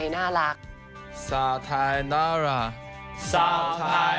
ชื่อว่าเอิ้นด่าพาวจู๊